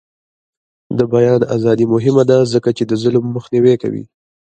د بیان ازادي مهمه ده ځکه چې ظلم مخنیوی کوي.